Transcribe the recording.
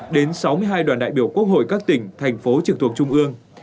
đến sáu mươi hai đoàn đại biểu quốc hội các tỉnh thành phố trực thuộc trung ương